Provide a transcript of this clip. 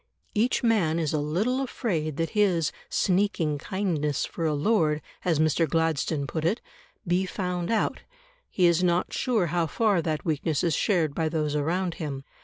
Each man is a little afraid that his "sneaking kindness for a lord," as Mr. Gladstone put it, be found out; he is not sure how far that weakness is shared by those around him.